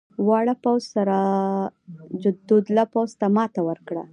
واړه پوځ سراج الدوله پوځ ته ماته ورکړه.